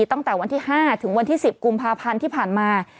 ตั้งแต่วันที่๕ถึงวันที่๑๐กุมภาพันธ์ที่ผ่านมา